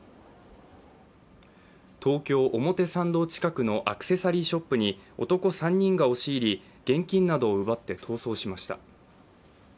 東京・表参道近くのアクセサリーショップに男３人が押し入り現金などを奪って逃走しました。